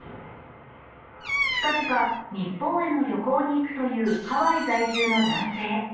ちかぢか、日本への旅行に行くというハワイ在住の男性。